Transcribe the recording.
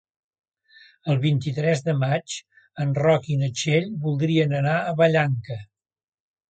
El vint-i-tres de maig en Roc i na Txell voldrien anar a Vallanca.